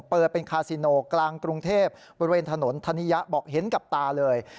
เปิดเป็นคาซิโนกลางกรุงเทพบริเวณถนนธนิยะบอกเห็นกับตาเลย